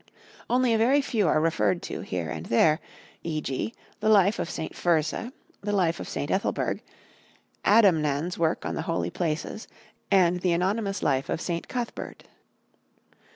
Only a very few are referred to here and there, e.g., The Life of St. Fursa, The Life of St. Ethelburg, Adamnan's work on the Holy Places, and the Anonymous Life of St. Cuthbert.